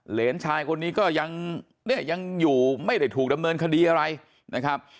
เหรนชายคนนี้ก็ยังเนี่ยยังอยู่ไม่ได้ถูกดำเนินคดีอะไรนะครับ